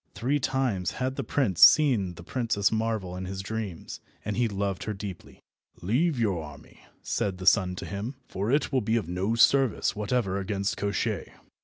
Three times had the prince seen the Princess Marvel in his dreams, and he loved her deeply. "Leave your army," said the sun to him, "for it will be of no service whatever against Koshchei.